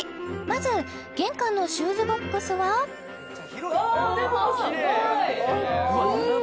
まず玄関のシューズボックスはでもすごい！